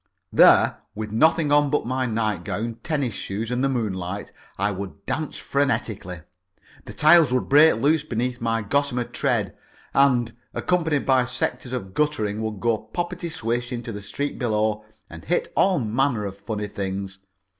There, with nothing on but my nightgown, tennis shoes, and the moonlight, I would dance frenetically. The tiles would break loose beneath my gossamer tread and, accompanied by sections of gutter, go poppity swish into the street below and hit all manner of funny things.